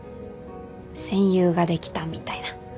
戦友ができたみたいな。